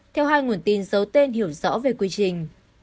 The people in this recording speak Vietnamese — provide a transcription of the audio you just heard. theo hai nguồn tin giấu tên hiểu rõ về quy trình